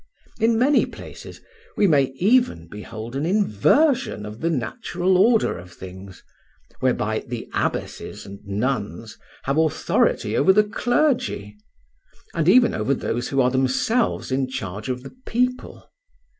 In many places we may even behold an inversion of the natural order of things, whereby the abbesses and nuns have authority over the clergy, and even over those who are themselves in charge of the people.